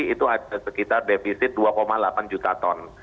itu ada sekitar defisit dua delapan juta ton